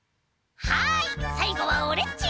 はいさいごはオレっち！